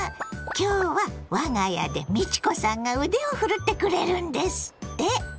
今日は我が家で美智子さんが腕を振るってくれるんですって。